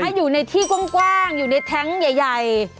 อยู่ในที่กว้างอยู่ในแท้งใหญ่